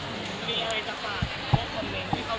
ที่เขาคิดว่าเป็นเราไหม